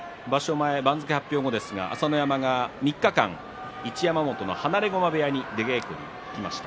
前、番付発表後ですが朝乃山が３日間一山本の放駒部屋に出稽古に行きました。